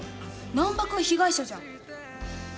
難破君被害者じゃん。